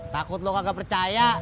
takut lo kagak percaya